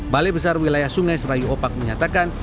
balai besar wilayah sungai serayu opak menyatakan